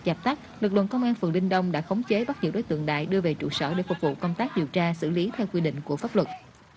và phần linh đông đã khống chế bắt giữ đối tượng đại đưa về trụ sở để phục vụ công tác điều tra xử lý theo quy định của pháp luật